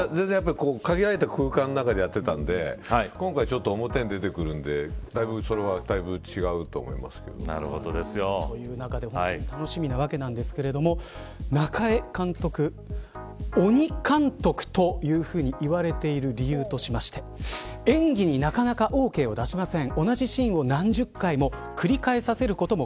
限られた空間の中でやっていたんで今回は表に出てくるのでそれはだいぶ違うとという中で本当に楽しみなわけなんですが中江監督鬼監督というふうに言われている理由として演技になかなかＯＫを出しません。